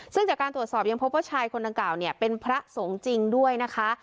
ซึ่งจากการตรวจสอบยังพบว่าชายคนดังกล่าวเนี่ยเป็นพระสงฆ์จริงด้วยนะคะ